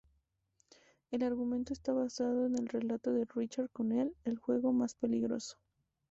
El argumento está basado en el relato de Richard Connell: "El juego más peligroso".